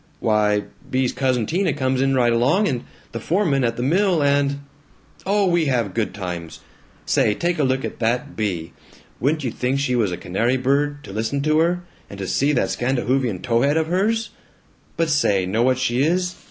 "Why, Bea's cousin Tina comes in right along, and the foreman at the mill, and Oh, we have good times. Say, take a look at that Bea! Wouldn't you think she was a canary bird, to listen to her, and to see that Scandahoofian tow head of hers? But say, know what she is?